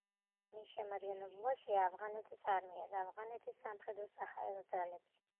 მის შემადგენლობაშია ავღანეთის არმია და ავღანეთის სამხედრო-საჰაერო ძალები.